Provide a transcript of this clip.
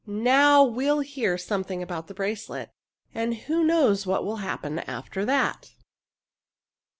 Now we'll hear something about the bracelet and who knows what will happen after that!"